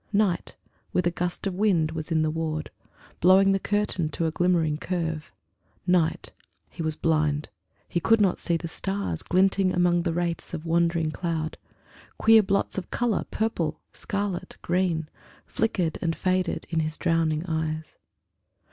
Night, with a gust of wind, was in the ward, Blowing the curtain to a glimmering curve. Night. He was blind; he could not see the stars Glinting among the wraiths of wandering cloud; Queer blots of colour, purple, scarlet, green, Flickered and faded in his drowning eyes.